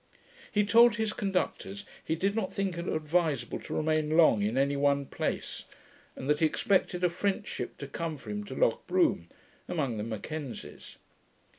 He told his conductors, he did not think it advisable to remain long in any one place; and that he expected a French ship to come for him to Lochbroom, among the Mackenzies.